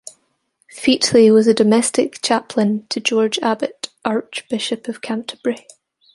Featley was domestic chaplain to George Abbot, Archbishop of Canterbury.